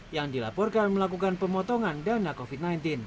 yang dilaporkan melakukan pemotongan dana covid sembilan belas